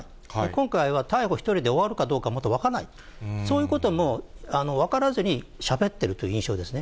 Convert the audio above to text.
今回は逮捕１人で終わるかどうかも分からない、そういうことも分からずにしゃべってるという印象ですね。